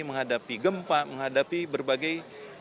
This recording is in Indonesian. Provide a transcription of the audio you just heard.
menghadapi gempa menghadapi berbagai